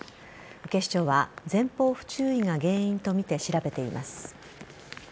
警視庁は前方不注意が原因とみて調べています。